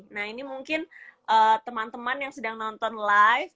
nah ini mungkin teman teman yang sedang nonton live